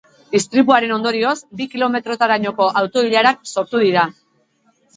Istripuaren ondorioz, bi kilometrorainoko auto-ilarak sortu dira.